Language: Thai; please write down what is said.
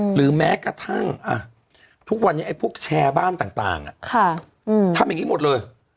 หรือแม้กระทั่งทุกวันนี้ไอ้พวกแชร์บ้านต่างทำอย่างนี้หมดเลย